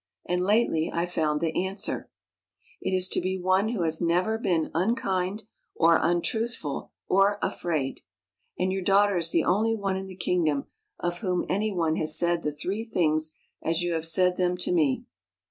And lately I found the answer: It is to be one who has never been unkind, or untruthful, or afraid. And your daughter is the only one in the kingdom of whom any one has said the three things as you have said them to me."